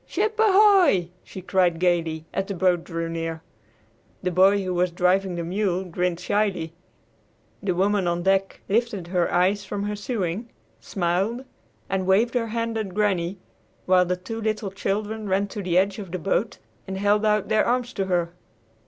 "Ship ahoy!" she cried gayly as the boat drew near. The boy who was driving the mule grinned shyly. The woman on deck lifted her eyes from her sewing, smiled, and waved her hand at Granny, while the two little children ran to the edge of the boat; and held out their arms to her.